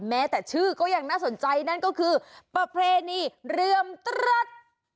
แม้แต่ชื่อก็ยังน่าสนใจนั่นก็คือประเพณีเรือมตรัส